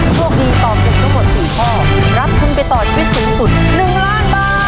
โชคดีตอบถูกทั้งหมด๔ข้อรับทุนไปต่อชีวิตสูงสุด๑ล้านบาท